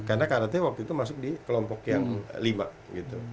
karena karate waktu itu masuk di kelompok yang lima